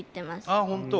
ああ本当。